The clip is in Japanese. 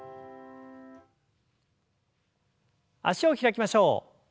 脚を開きましょう。